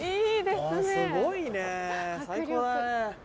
すごいね最高だね！